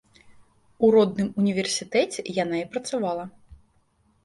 У родным універсітэце яна і працавала.